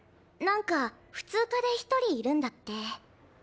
何か普通科で１人いるんだって。